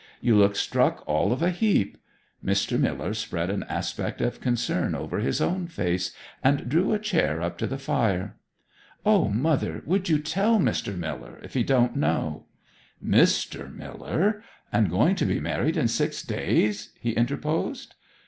'You look struck all of a heap.' Mr. Miller spread an aspect of concern over his own face, and drew a chair up to the fire. 'O mother, would you tell Mr. Miller, if he don't know?' 'Mister Miller! and going to be married in six days!' he interposed.